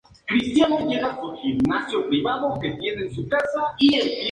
Así mismo, iniciaron una campaña de concienciación ciudadana mediante vídeos y diferentes recursos legales.